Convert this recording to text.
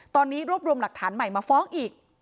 ตอนนี้รวบรวมหลักฐานใหม่มาฟ้องอีก